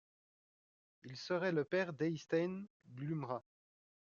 Il serait le père d'Eystein Glumra.